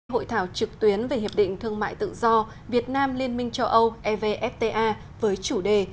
hội thảo trực tuyến về hiệp định thương mại tự do việt nam liên minh châu âu evfta với chủ đề